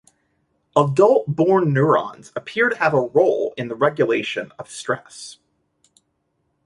Adult-born neurons appear to have a role in the regulation of stress.